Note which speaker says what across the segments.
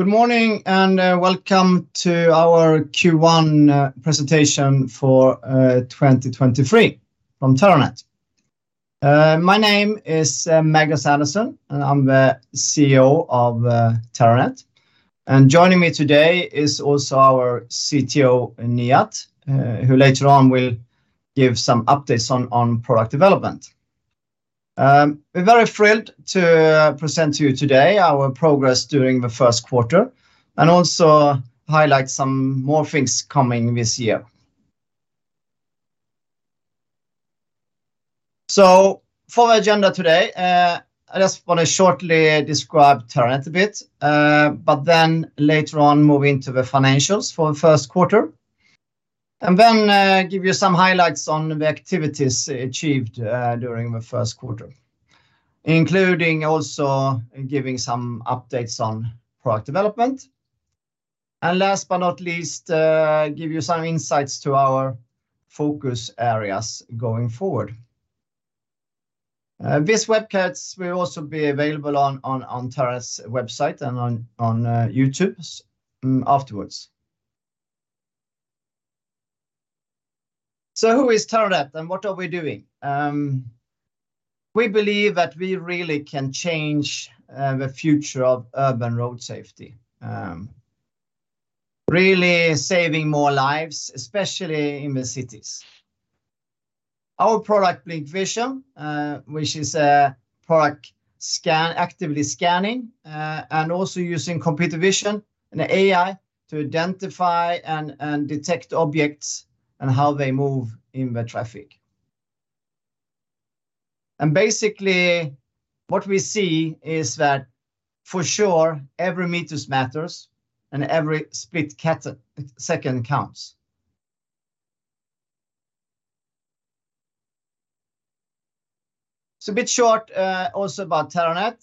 Speaker 1: Good morning and welcome to our Q1 presentation for 2023 from Terranet. My name is Magnus Andersson, and I'm the CEO of Terranet. Joining me today is also our CTO, Nihat, who later on will give some updates on product development. We're very thrilled to present to you today our progress during the first quarter and also highlight some more things coming this year. For agenda today, I just wanna shortly describe Terranet a bit, but then later on, move into the financials for the first quarter. Give you some highlights on the activities achieved during the first quarter, including also giving some updates on product development. Last but not least, give you some insights to our focus areas going forward. This webcasts will also be available on Terranet's website and on YouTube afterwards. Who is Terranet, and what are we doing? We believe that we really can change the future of urban road safety, really saving more lives, especially in the cities. Our product, BlincVision, which is a product scan, actively scanning and also using computer vision and AI to identify and detect objects and how they move in the traffic. Basically, what we see is that for sure, every meters matters and every split second counts. A bit short also about Terranet.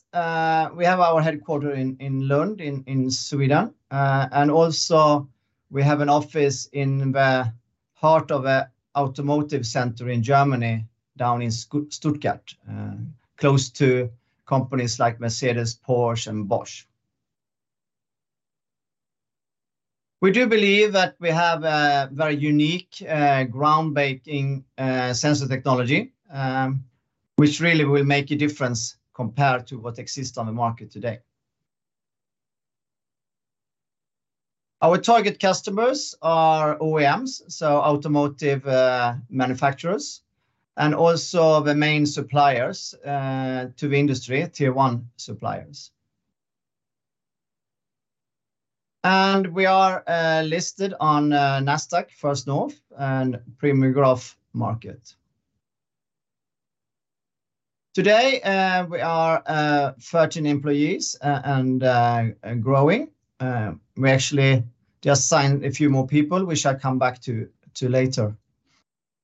Speaker 1: We have our headquarter in Lund in Sweden. And also, we have an office in the heart of a automotive center in Germany down in Stuttgart, close to companies like Mercedes, Porsche and Bosch. We do believe that we have a very unique, groundbreaking sensor technology, which really will make a difference compared to what exists on the market today. Our target customers are OEMs, so automotive manufacturers, and also the main suppliers to the industry, Tier 1 suppliers. We are listed on Nasdaq First North Premier Growth Market. Today, we are 13 employees and growing. We actually just signed a few more people, which I'll come back to later.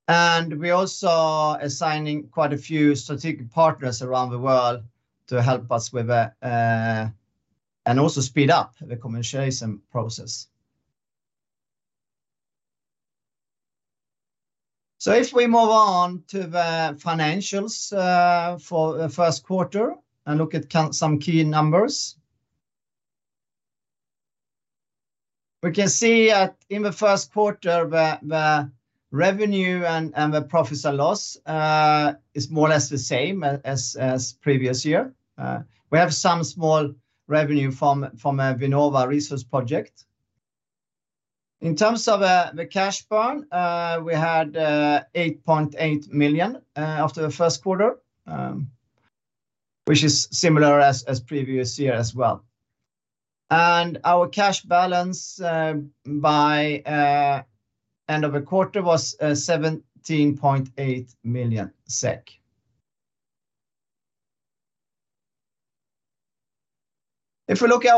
Speaker 1: We're also assigning quite a few strategic partners around the world to help us with the and also speed up the commercialization process. If we move on to the financials for the first quarter and look at count some key numbers. We can see, in the first quarter, the revenue and the profits and loss is more or less the same as previous year. We have some small revenue from a Vinnova research project. In terms of the cash burn, we had 8.8 million after the first quarter, which is similar as previous year as well. Our cash balance by end of the quarter was 17.8 million SEK. If we look at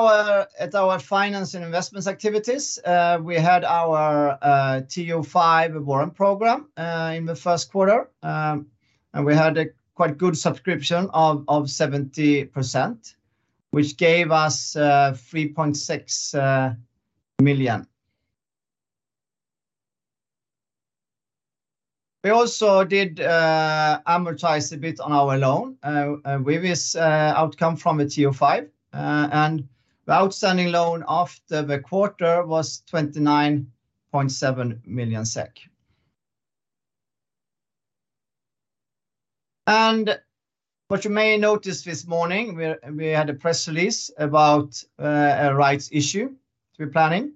Speaker 1: our finance and investments activities, we had our TO5 warrant program in the first quarter, we had a quite good subscription of 70%, which gave us SEK 3.6 million. We also did amortize a bit on our loan with this outcome from the TO5 and the outstanding loan after the quarter was 29.7 million SEK. What you may notice this morning, we had a press release about a rights issue we're planning.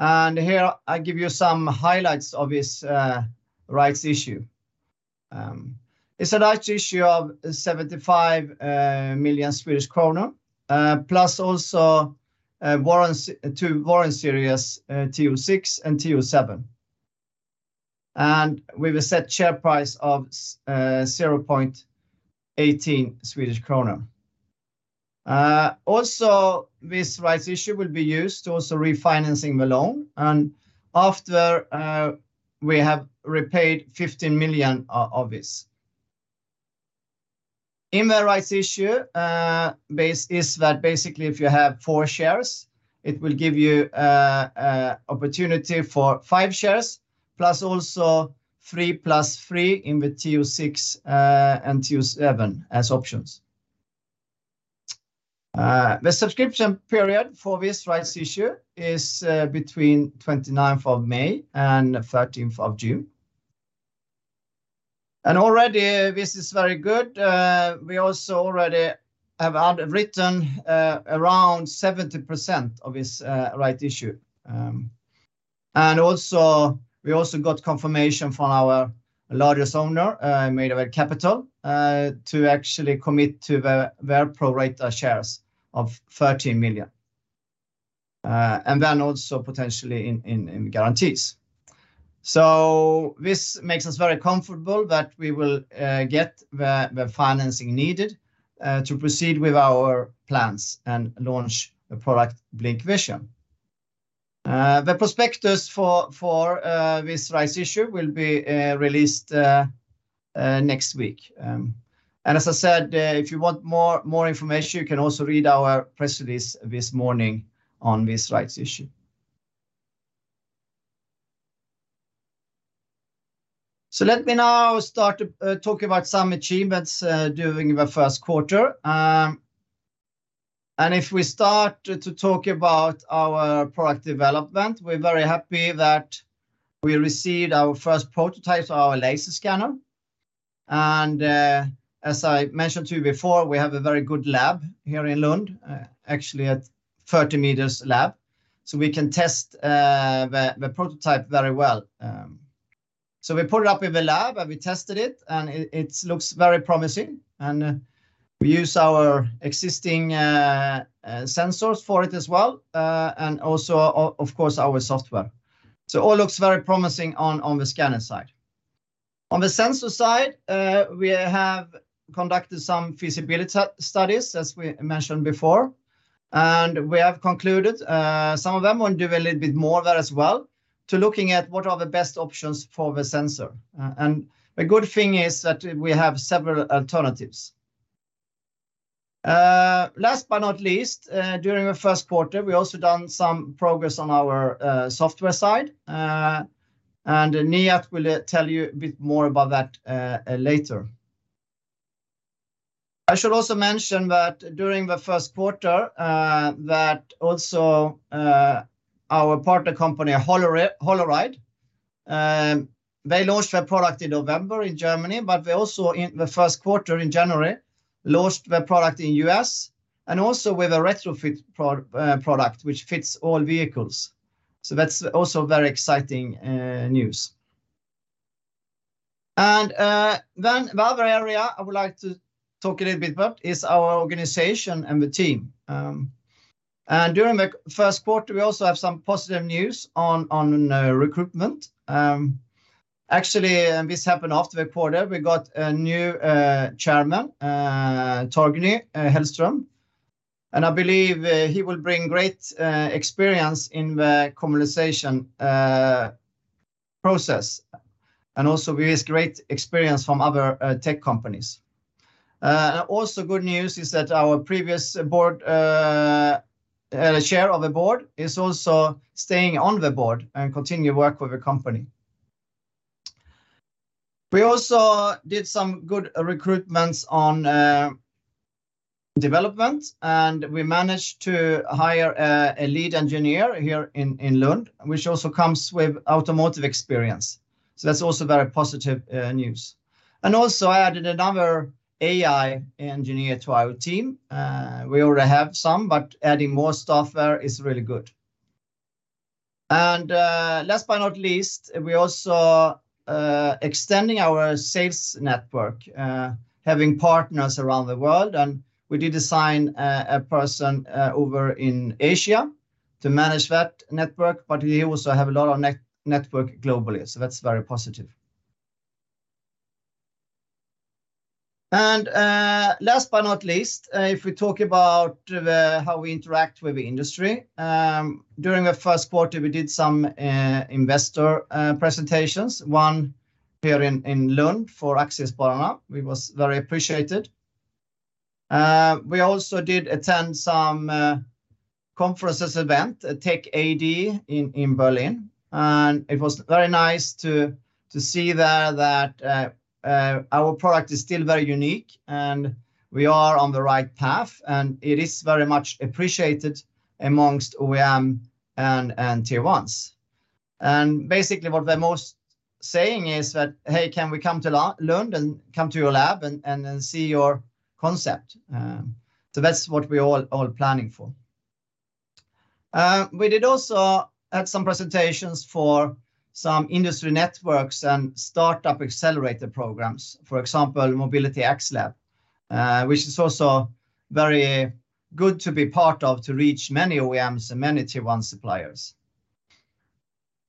Speaker 1: Here, I'll give you some highlights of this rights issue. It's a rights issue of 75 million Swedish kronor+ also warrants, two warrant series, TO6 and TO7. With a set share price of 0.18 Swedish krona. This rights issue will be used to also refinancing the loan and after we have repaid 15 million of this. In the rights issue, basis is that basically if you have four shares, it will give you opportunity for five shares, 3+3 in the TO6 and TO7 as options. The subscription period for this rights issue is between 29th of May and 13th of June. Already, this is very good. We also already have underwritten around 70% of this rights issue. Also, we also got confirmation from our largest owner, Madeby Capital, to actually commit to their pro rata shares of 13 million. Then also potentially in guarantees. This makes us very comfortable that we will get the financing needed to proceed with our plans and launch the product BlincVision. The prospectus for this rights issue will be released next week. As I said, if you want more information, you can also read our press release this morning on this rights issue. Let me now start to talk about some achievements during the first quarter. If we start to talk about our product development, we're very happy that we received our first prototype for our laser scanner. As I mentioned to you before, we have a very good lab here in Lund, actually a 30 meters lab, so we can test the prototype very well. We put it up in the lab, and we tested it, and it looks very promising. We use our existing sensors for it as well, and also of course, our software. All looks very promising on the scanner side. On the sensor side, we have conducted some feasibility studies, as we mentioned before, and we have concluded some of them, want to do a little bit more of that as well, to looking at what are the best options for the sensor. The good thing is that we have several alternatives. Last but not least, during the first quarter, we also done some progress on our software side. Nihat will tell you a bit more about that later. I should also mention that during the first quarter, that also, our partner company, Holoride, they launched their product in November in Germany, but they also, in the first quarter, in January, launched their product in U.S., and also with a retrofit product which fits all vehicles. That's also very exciting news. The other area I would like to talk a little bit about is our organization and the team. During the first quarter, we also have some positive news on recruitment. Actually, this happened after the quarter. We got a new chairman, Torgny Hellström, I believe he will bring great experience in the communication process, also with his great experience from other tech companies. Also good news is that our previous board, Chair of the Board is also staying on the board and continue work with the company. We also did some good recruitments on development, and we managed to hire a lead engineer here in Lund, which also comes with automotive experience. That's also very positive news. Also, I added another AI engineer to our team. We already have some, but adding more staff there is really good. Last but not least, we're also extending our sales network, having partners around the world, and we did assign a person over in Asia to manage that network, but we also have a lot of network globally, so that's very positive. Last but not least, if we talk about the how we interact with the industry, during the first quarter, we did some investor presentations, one here in Lund for Aktiespararna. We was very appreciated. We also did attend some conferences event, Tech.AD in Berlin, and it was very nice to see there that our product is still very unique, and we are on the right path, and it is very much appreciated amongst OEM and Tier 1s. Basically, what they're most saying is that, "Hey, can we come to Lund and come to your lab and see your concept?" That's what we all planning for. we did also had some presentations for some industry networks and startup accelerator programs, for example, MobilityXlab, which is also very good to be part of to reach many OEMs and many Tier 1 suppliers.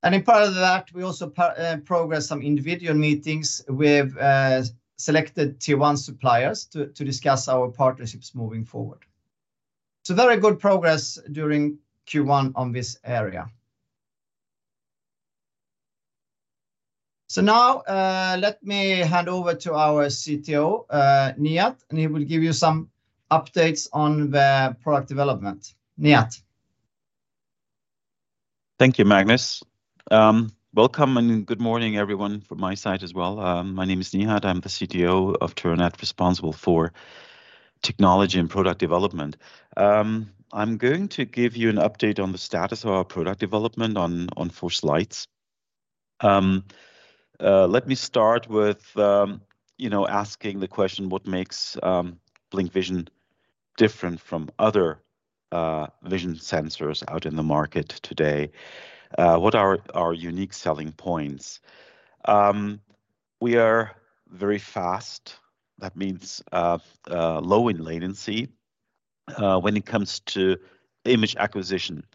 Speaker 1: In part of that, we also progress some individual meetings with selected Tier 1 suppliers to discuss our partnerships moving forward. Very good progress during Q1 on this area. now, let me hand over to our CTO, Nihat, and he will give you some updates on the product development. Nihat?
Speaker 2: Thank you, Magnus. Welcome and good morning everyone from my side as well. My name is Nihat, I'm the CTO of Terranet, responsible for technology and product development. I'm going to give you an update on the status of our product development on four slides. Let me start with, you know, asking the question, what makes BlincVision different from other vision sensors out in the market today? What are our unique selling points? We are very fast. That means low in latency when it comes to image acquisition.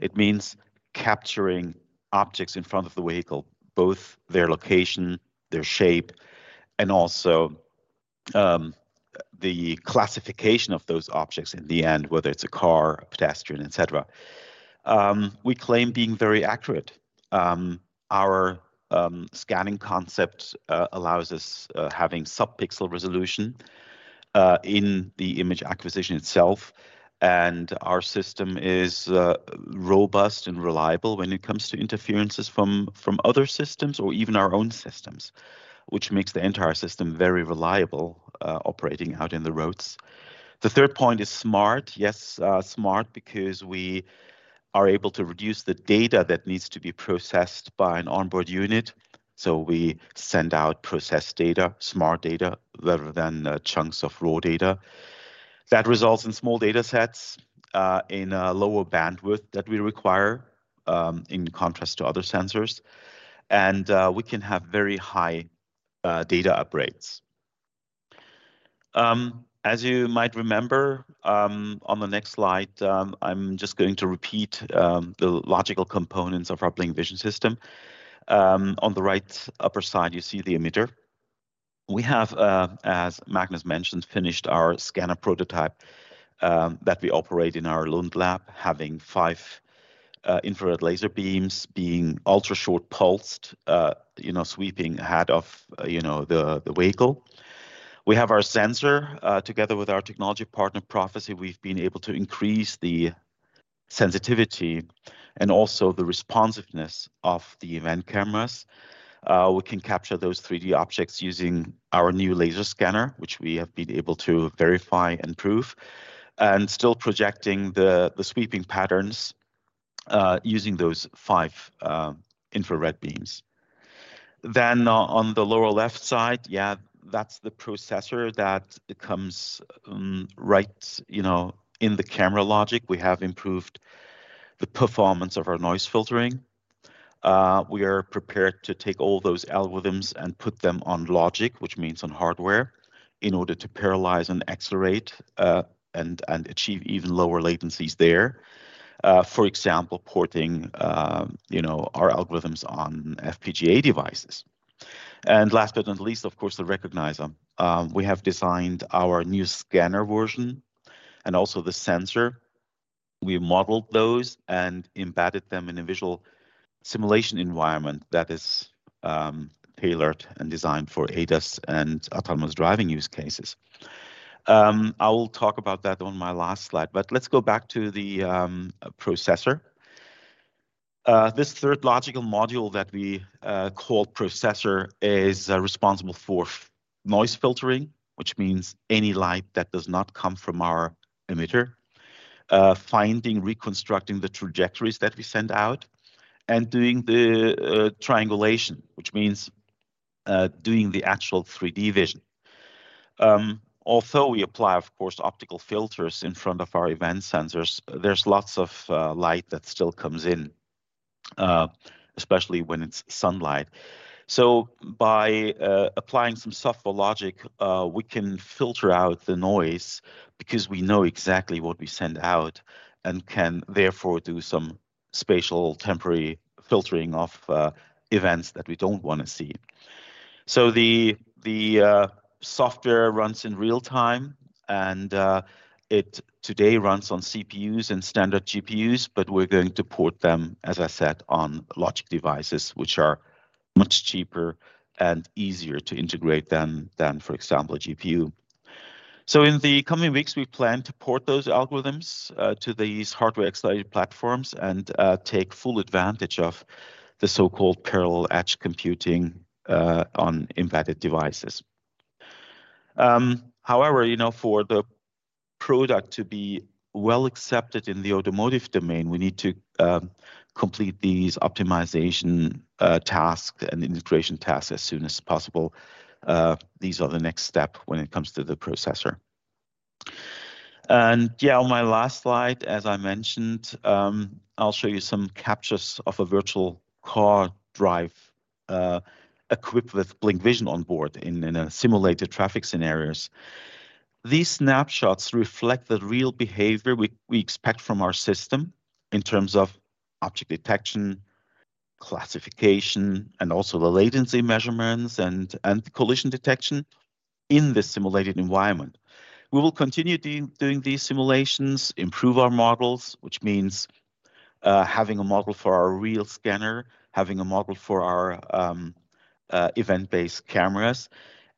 Speaker 2: It means capturing objects in front of the vehicle, both their location, their shape, and also the classification of those objects in the end, whether it's a car, a pedestrian, et cetera. We claim being very accurate. Our scanning concept allows us having sub-pixel resolution in the image acquisition itself. Our system is robust and reliable when it comes to interferences from other systems or even our own systems, which makes the entire system very reliable operating out in the roads. The third point is smart. Yes, smart because we are able to reduce the data that needs to be processed by an onboard unit. We send out processed data, smart data, rather than chunks of raw data. That results in small data sets, in a lower bandwidth that we require in contrast to other sensors. We can have very high data upgrades. As you might remember, on the next slide, I'm just going to repeat the logical components of our BlincVision system. On the right upper side, you see the emitter. We have, as Magnus mentioned, finished our scanner prototype that we operate in our Lund lab, having five infrared laser beams being ultra-short pulsed, you know, sweeping ahead of, you know, the vehicle. We have our sensor, together with our technology partner, Prophesee, we've been able to increase the sensitivity and also the responsiveness of the event cameras. We can capture those 3D objects using our new laser scanner, which we have been able to verify and prove, and still projecting the sweeping patterns, using those five infrared beams. On the lower left side, that's the processor that comes, right, you know, in the camera logic. We have improved the performance of our noise filtering. We are prepared to take all those algorithms and put them on logic, which means on hardware, in order to parallelize and accelerate, and achieve even lower latencies there. For example, porting, you know, our algorithms on FPGA devices. Last but not least, of course, the recognizer. We have designed our new scanner version and also the sensor. We modeled those and embedded them in a visual simulation environment that is tailored and designed for ADAS and autonomous driving use cases. I will talk about that on my last slide, let's go back to the processor. This third logical module that we call processor is responsible for noise filtering, which means any light that does not come from our emitter. Finding, reconstructing the trajectories that we send out, and doing the triangulation, which means doing the actual 3D vision. Although we apply, of course, optical filters in front of our event sensors, there's lots of light that still comes in, especially when it's sunlight. By applying some software logic, we can filter out the noise because we know exactly what we send out and can therefore do some spatial temporary filtering of events that we don't wanna see. The software runs in real time, it today runs on CPUs and standard GPUs, but we're going to port them, as I said, on logic devices, which are much cheaper and easier to integrate than, for example, a GPU. In the coming weeks, we plan to port those algorithms to these hardware-accelerated platforms and take full advantage of the so-called parallel edge computing on embedded devices. However, you know, for the product to be well accepted in the automotive domain, we need to complete these optimization tasks and integration tasks as soon as possible. These are the next step when it comes to the processor. Yeah, on my last slide, as I mentioned, I'll show you some captures of a virtual car drive equipped with BlincVision on board in a simulated traffic scenarios. These snapshots reflect the real behavior we expect from our system in terms of object detection, classification, and also the latency measurements and collision detection in this simulated environment. We will continue doing these simulations, improve our models, which means having a model for our real scanner, having a model for our event-based cameras.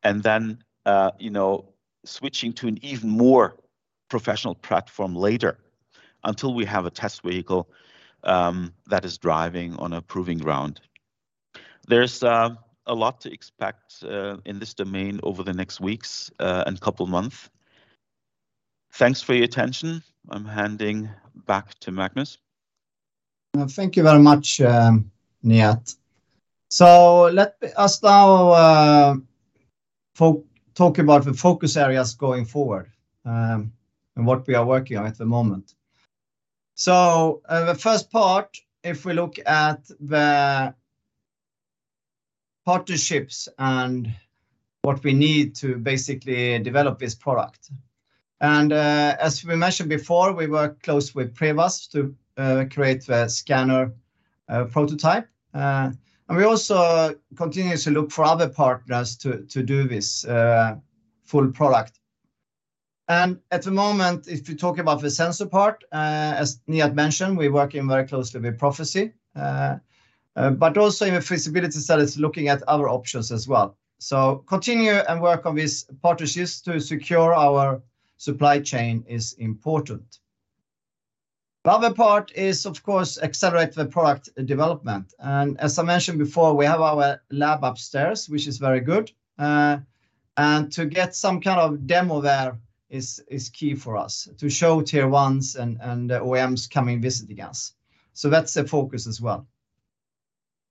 Speaker 2: You know, switching to an even more professional platform later until we have a test vehicle that is driving on a proving ground. There's a lot to expect in this domain over the next weeks and couple month. Thanks for your attention. I'm handing back to Magnus.
Speaker 1: Thank you very much, Nihat. Let us now talk about the focus areas going forward, and what we are working on at the moment. The first part, if we look at the partnerships and what we need to basically develop this product. As we mentioned before, we work close with Prevas to create the scanner prototype. We also continuously look for other partners to do this full product. At the moment, if you talk about the sensor part, as Nihat mentioned, we're working very closely with Prophesee, but also in the feasibility studies looking at other options as well. Continue and work on this partnerships to secure our supply chain is important. The other part is, of course, accelerate the product development. As I mentioned before, we have our lab upstairs, which is very good. To get some kind of demo there is key for us to show Tier 1s and OEMs coming visiting us. That's the focus as well.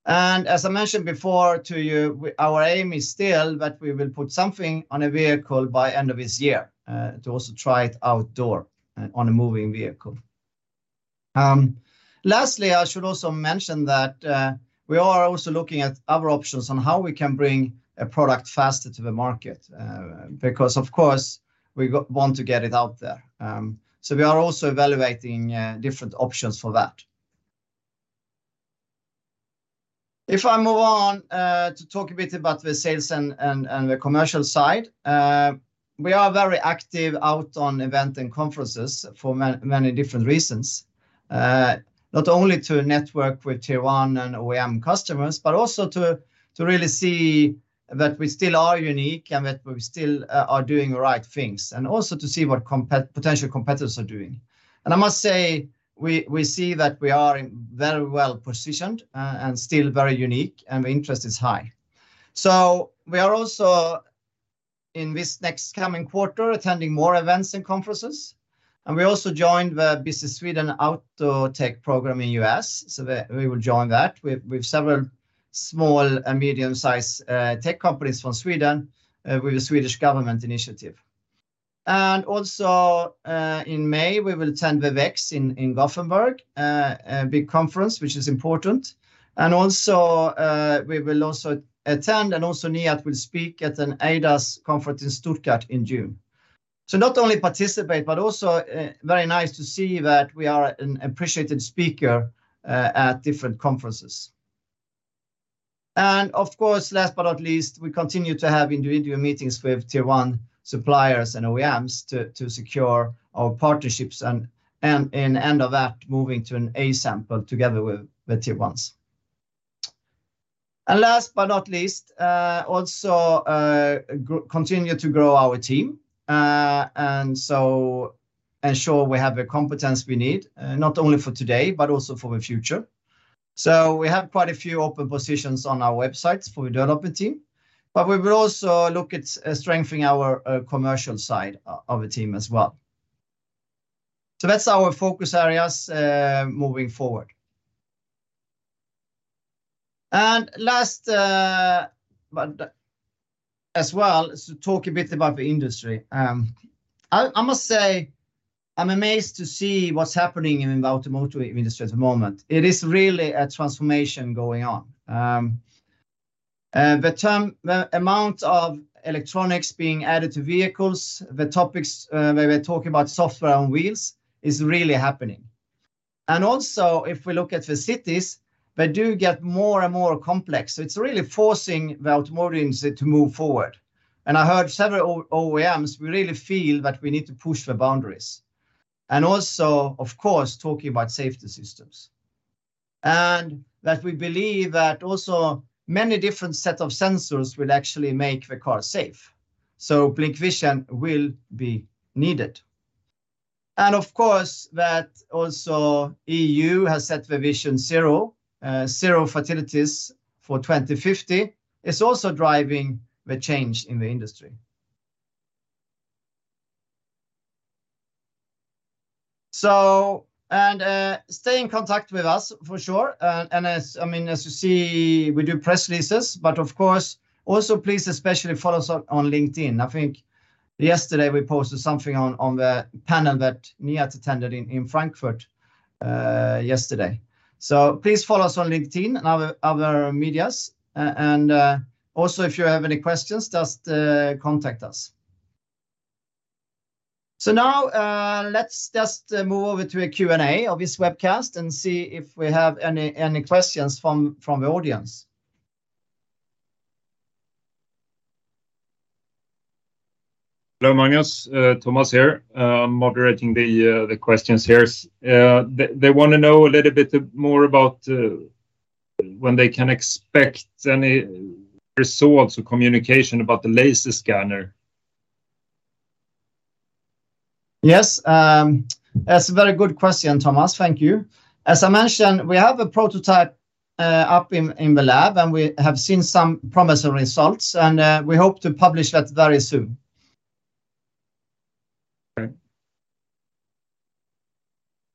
Speaker 1: As I mentioned before to you, our aim is still that we will put something on a vehicle by end of this year to also try it outdoor on a moving vehicle. Lastly, I should also mention that we are also looking at other options on how we can bring a product faster to the market because of course, we want to get it out there. We are also evaluating different options for that. If I move on to talk a bit about the sales and the commercial side, we are very active out on event and conferences for many different reasons. Not only to network with Tier 1 and OEM customers, but also to really see that we still are unique and that we still are doing the right things, and also to see what potential competitors are doing. I must say we see that we are in very well positioned and still very unique, and the interest is high. We are also in this next coming quarter attending more events and conferences, and we also joined the Business Sweden Autotech Program in U.S. so that we will join that with several small and medium sized tech companies from Sweden with the Swedish government initiative. In May, we will attend the VECS in Gothenburg, a big conference which is important. We will also attend and also Nihat will speak at an ADAS conference in Stuttgart in June. Not only participate, but also very nice to see that we are an appreciated speaker at different conferences. Last but not least, we continue to have individual meetings with Tier 1 suppliers and OEMs to secure our partnerships and in end of that, moving to an A-sample together with the Tier 1s. Last but not least, also continue to grow our team. Ensure we have the competence we need, not only for today, but also for the future. We have quite a few open positions on our website for the developer team, but we will also look at strengthening our commercial side of the team as well. That's our focus areas moving forward. Last, but as well, is to talk a bit about the industry. I must say, I'm amazed to see what's happening in the automotive industry at the moment. It is really a transformation going on. The term, the amount of electronics being added to vehicles, the topics where we're talking about software on wheels is really happening. Also, if we look at the cities, they do get more and more complex. It's really forcing the automotive industry to move forward. I heard several OEMs really feel that we need to push the boundaries. Also, of course, talking about safety systems. That we believe that also many different set of sensors will actually make the car safe. BlincVision will be needed. Of course, that also EU has set the Vision Zero, zero fatalities for 2050, is also driving the change in the industry. Stay in contact with us for sure. And as, I mean, as you see, we do press releases, but of course, also please especially follow us on LinkedIn. I think yesterday we posted something on the panel that Nihat attended in Frankfurt, yesterday. Please follow us on LinkedIn and other medias. Also, if you have any questions, just, contact us. Now, let's just move over to a Q&A of this webcast and see if we have any questions from the audience.
Speaker 3: Hello, Magnus. Thomas here. Moderating the questions here. They wanna know a little bit more about when they can expect any results or communication about the laser scanner.
Speaker 1: Yes. That's a very good question, Thomas. Thank you. As I mentioned, we have a prototype up in the lab, and we have seen some promising results, and we hope to publish that very soon.
Speaker 3: Okay.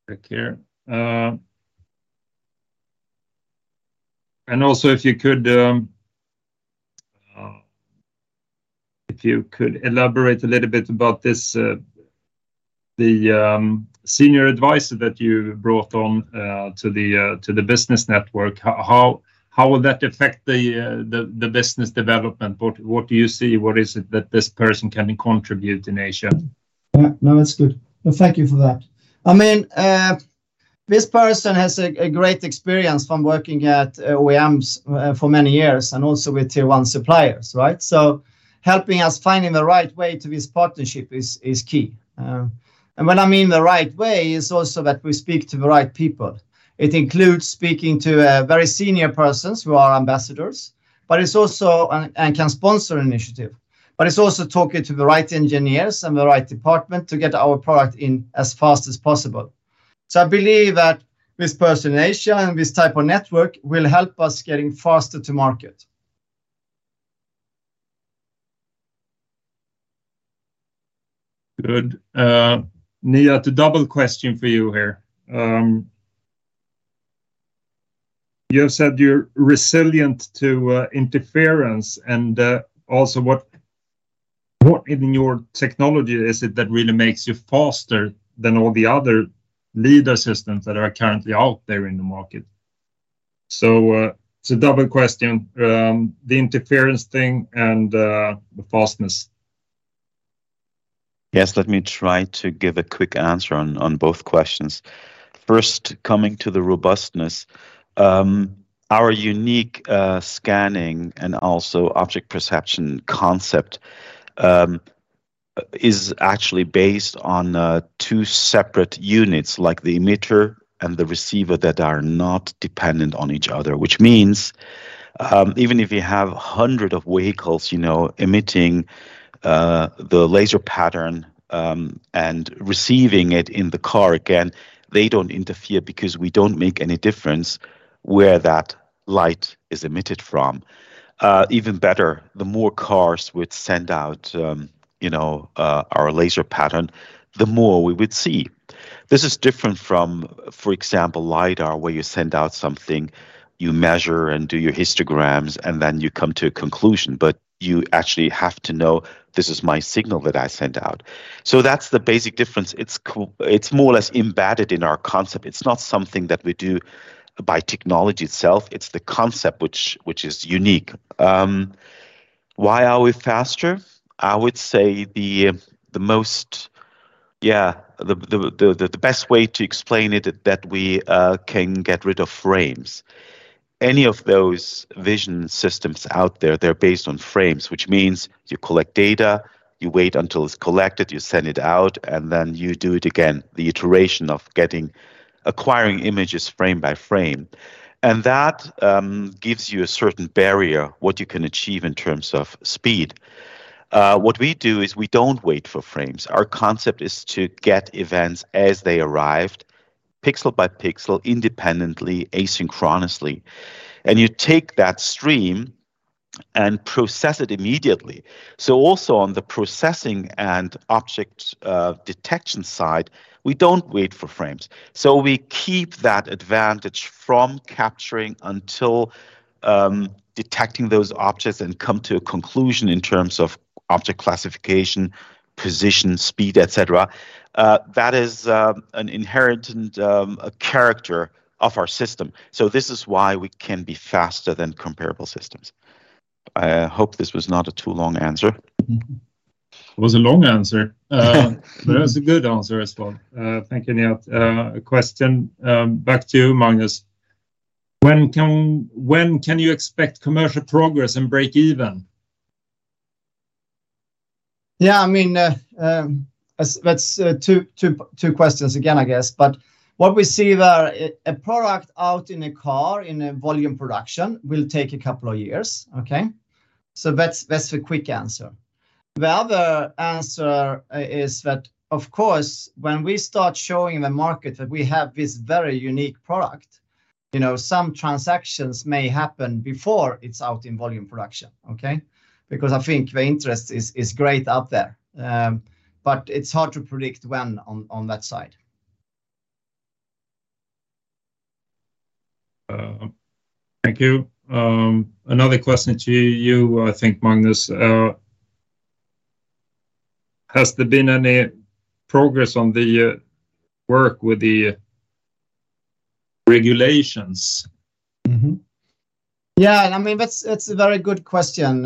Speaker 3: Back here. Also if you could, if you could elaborate a little bit about this, the senior advisor that you brought on, to the business network. How will that affect the business development? What, what do you see? What is it that this person can contribute in Asia?
Speaker 1: Yeah. No, that's good. Thank you for that. I mean, this person has a great experience from working at OEMs for many years and also with Tier 1 suppliers, right? Helping us finding the right way to this partnership is key. When I mean the right way, it's also that we speak to the right people. It includes speaking to very senior persons who are ambassadors and can sponsor initiative. It's also talking to the right engineers and the right department to get our product in as fast as possible. I believe that this person in Asia and this type of network will help us getting faster to market.
Speaker 3: Good. Nihat, a double question for you here. You have said you're resilient to interference and also what in your technology is it that really makes you faster than all the other LiDAR systems that are currently out there in the market? It's a double question. The interference thing and the fastness.
Speaker 2: Yes. Let me try to give a quick answer on both questions. First, coming to the robustness. Our unique scanning and also object perception concept is actually based on two separate units, like the emitter and the receiver, that are not dependent on each other. It means, even if you have 100 of vehicles, you know, emitting the laser pattern and receiving it in the car again, they don't interfere because we don't make any difference where that light is emitted from. Even better, the more cars which send out, you know, our laser pattern, the more we would see. This is different from, for example, LiDAR, where you send out something, you measure and do your histograms, and then you come to a conclusion. You actually have to know this is my signal that I sent out. That's the basic difference. It's more or less embedded in our concept. It's not something that we do by technology itself, it's the concept which is unique. Why are we faster? I would say the best way to explain it is that we can get rid of frames. Any of those vision systems out there, they're based on frames, which means you collect data, you wait until it's collected, you send it out, and then you do it again. The iteration of getting, acquiring images frame by frame. That gives you a certain barrier, what you can achieve in terms of speed. What we do is we don't wait for frames. Our concept is to get events as they arrived, pixel by pixel, independently, asynchronously. You take that stream and process it immediately. Also on the processing and object, detection side, we don't wait for frames. We keep that advantage from capturing until detecting those objects and come to a conclusion in terms of object classification, position, speed, et cetera. That is an inherent and character of our system. This is why we can be faster than comparable systems. I hope this was not a too long answer.
Speaker 3: It was a long answer. It was a good answer as well. Thank you, Nihat. A question back to you, Magnus. When can you expect commercial progress and break even?
Speaker 1: Yeah. I mean, that's two questions again, I guess. What we see there, a product out in a car in a volume production will take a couple of years, okay? That's the quick answer. The other answer is that, of course, when we start showing the market that we have this very unique product, you know, some transactions may happen before it's out in volume production, okay? I think the interest is great out there. It's hard to predict when on that side.
Speaker 3: Thank you. Another question to you, I think, Magnus. Has there been any progress on the work with the regulations?
Speaker 1: Yeah. I mean, that's a very good question,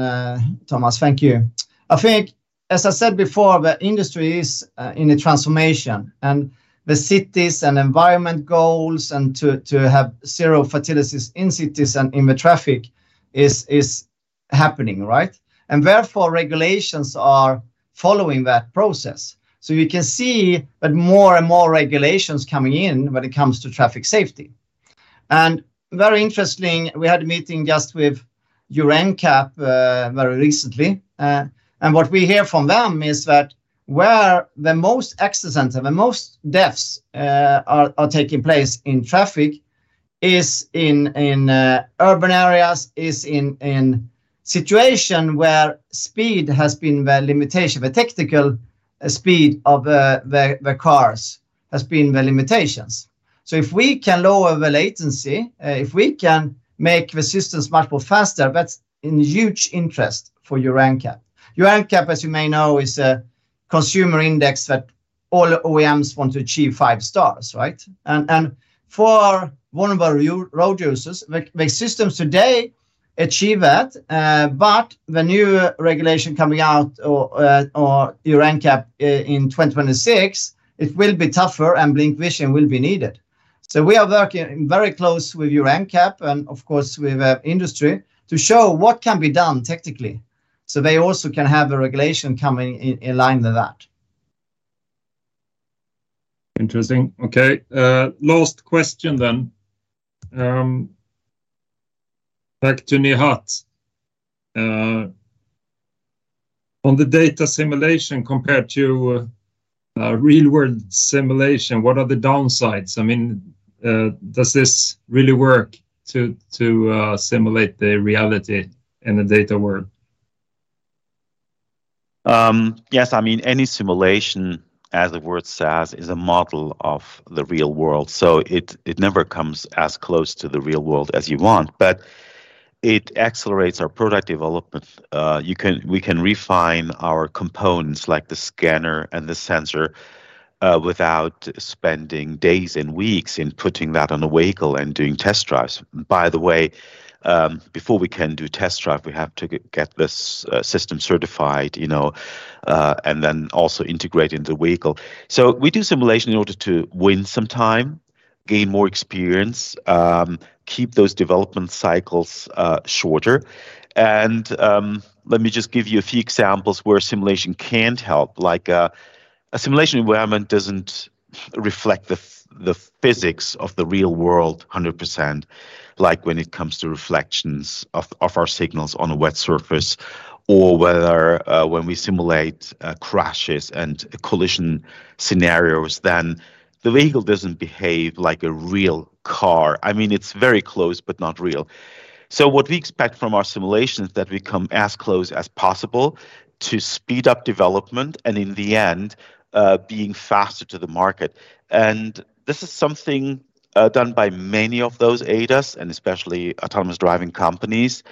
Speaker 1: Thomas. Thank you. I think, as I said before, the industry is in a transformation, the cities and environment goals and to have zero fatalities in cities and in the traffic is happening, right? Therefore, regulations are following that process. You can see that more and more regulations coming in when it comes to traffic safety. Very interesting, we had a meeting just with Euro NCAP very recently. What we hear from them is that where the most accidents and the most deaths are taking place in traffic is in urban areas, is in situation where speed has been the limitation, the technical speed of the cars has been the limitations. If we can lower the latency, if we can make the systems much more faster, that's in huge interest for Euro NCAP. Euro NCAP, as you may know, is a consumer index that all OEMs want to achieve five stars, right? For vulnerable road users, the systems today achieve that. The new regulation coming out or Euro NCAP in 2026, it will be tougher and BlincVision will be needed. We are working very close with Euro NCAP and of course with industry to show what can be done technically, so they also can have a regulation coming in line with that.
Speaker 3: Interesting. Okay. Last question then. Back to Nihat. On the data simulation compared to real world simulation, what are the downsides? I mean, does this really work to simulate the reality in the data world?
Speaker 2: Yes. I mean, any simulation, as the word says, is a model of the real world, it never comes as close to the real world as you want. It accelerates our product development. We can refine our components like the scanner and the sensor without spending days and weeks in putting that on a vehicle and doing test drives. By the way, before we can do test drive, we have to get this system certified, you know, then also integrate in the vehicle. We do simulation in order to win some time, gain more experience, keep those development cycles shorter. Let me just give you a few examples where simulation can't help. Like, a simulation environment doesn't reflect the physics of the real world 100%, like when it comes to reflections of our signals on a wet surface or whether when we simulate crashes and collision scenarios, then the vehicle doesn't behave like a real car. I mean, it's very close, but not real. What we expect from our simulation is that we come as close as possible to speed up development, and in the end, being faster to the market. This is something done by many of those ADAS, and especially autonomous driving companies.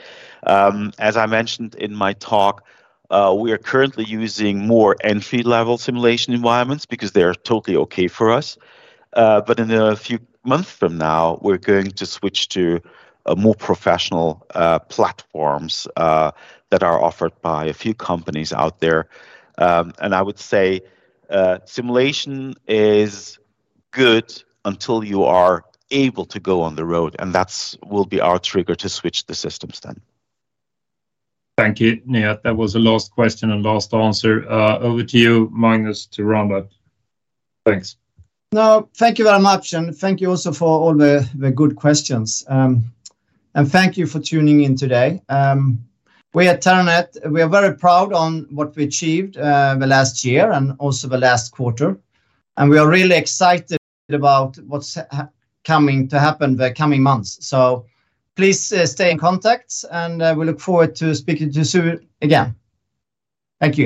Speaker 2: As I mentioned in my talk, we are currently using more end feed level simulation environments because they're totally okay for us. In a few months from now, we're going to switch to a more professional platforms that are offered by a few companies out there. I would say simulation is good until you are able to go on the road, and that's will be our trigger to switch the systems then.
Speaker 3: Thank you, Nihat. That was the last question and last answer. Over to you, Magnus, to round up. Thanks.
Speaker 1: Thank you very much, thank you also for all the good questions. Thank you for tuning in today. We at Terranet, we are very proud on what we achieved the last year and also the last quarter, we are really excited about what's coming to happen the coming months. Please stay in contact, we look forward to speaking to you soon again. Thank you